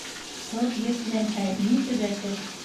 Тоҙ еҫләнһә ни төҙәтер?